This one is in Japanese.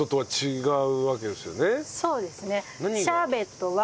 そうですね。はあ。